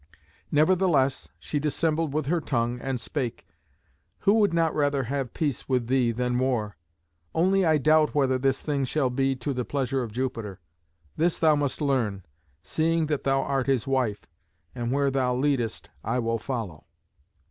Nevertheless she dissembled with her tongue, and spake, "Who would not rather have peace with thee than war? Only I doubt whether this thing shall be to the pleasure of Jupiter. This thou must learn, seeing that thou art his wife, and where thou leadest I will follow."